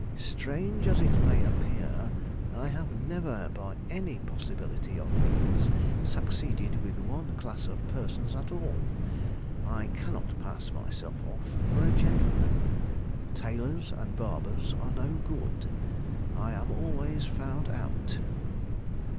Strange as it may appear, I have never by any possibility of means succeeded with one class of persons at all. I cannot pass myself off for a gentleman. Tailors and barbers are no good; I am always found out."